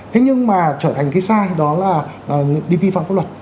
thế nhưng mà trở thành cái sai đó là đi vi phạm pháp luật